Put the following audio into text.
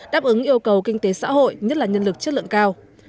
đáp ứng yêu cầu kinh tế xã hội nhất là nhân lực chất lượng cao